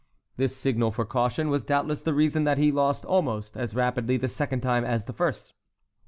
This signal for caution was doubtless the reason that he lost almost as rapidly the second time as the first.